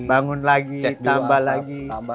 bangun lagi tambah lagi